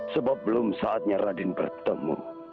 sebab belum saatnya raden bertemu